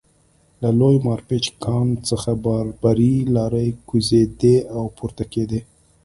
له لوی مارپیچ کان څخه باربري لارۍ کوزېدې او پورته کېدې